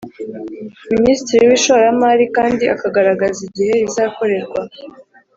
Minisitiri w Ishoramari Kandi Akagaragaza Igihe bizakorerwa